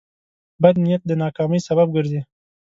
بد نیت د ناکامۍ سبب ګرځي.